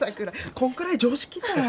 こんくらい常識たい。